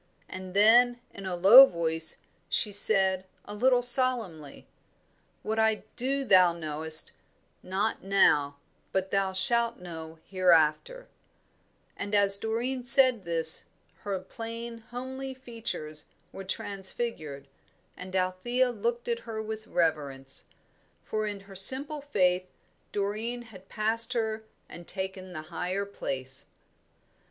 And then, in a low voice, she said, a little solemnly, "'What I do thou knowest not now, but thou shalt know hereafter;'" and as Doreen said this her plain, homely features were transfigured and Althea looked at her with reverence; for in her simple faith Doreen had passed her and taken the higher place.